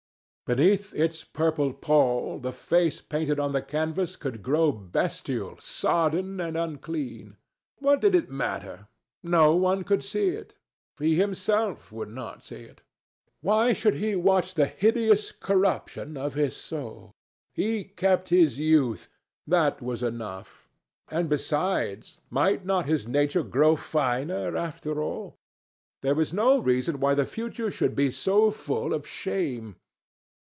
Beneath its purple pall, the face painted on the canvas could grow bestial, sodden, and unclean. What did it matter? No one could see it. He himself would not see it. Why should he watch the hideous corruption of his soul? He kept his youth—that was enough. And, besides, might not his nature grow finer, after all? There was no reason that the future should be so full of shame.